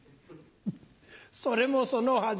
それもそのはず